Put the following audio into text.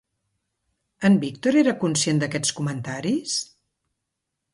En Víctor era conscient d'aquests comentaris?